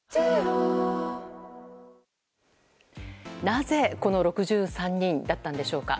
なぜこの６３人だったのでしょうか。